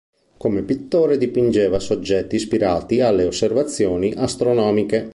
Come pittore dipingeva soggetti ispirati alle osservazioni astronomiche.